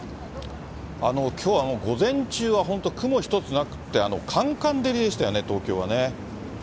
きょうはもう午前中はほんと、雲一つなくって、カンカン照りでしたよね、東京はね。